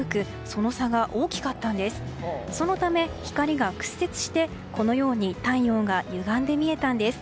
そのため、光が屈折してこのように太陽が歪んで見えたんです。